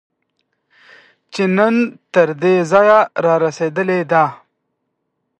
چې نن تر دې ځایه رارسېدلې ده